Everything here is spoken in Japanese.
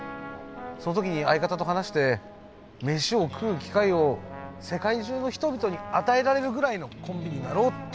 その時に相方と話して飯を食う機会を世界中の人々に与えられるぐらいのコンビになろうって。